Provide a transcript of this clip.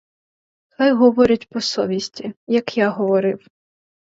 Хай говорять по совісті, як я говорив.